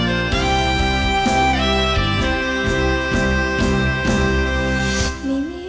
ถูกเขาทำร้ายเพราะใจเธอแบกรับมันเอง